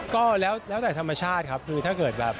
ก็แล้วแต่ธรรมชาติครับคือถ้าเกิดแบบ